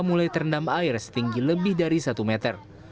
mulai terendam air setinggi lebih dari satu meter